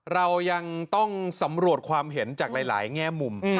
เรายังต้องสำรวจความเห็นจากหลายแง่มุม